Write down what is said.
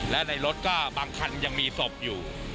และในรถก็บางคันยังมีศพอยู่